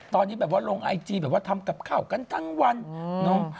ตอนนี้แบบว่าลงไอจีแบบว่าทำกับข้าวกันทั้งวันเนาะ